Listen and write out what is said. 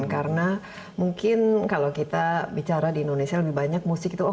karena mungkin kalau kita bicara di indonesia lebih banyak musik itu hobi